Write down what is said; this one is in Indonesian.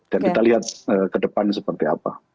dan kita lihat kedepan seperti apa